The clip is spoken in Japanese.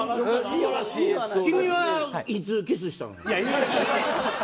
君はいつキスしたの。